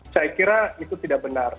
saya kira itu tidak benar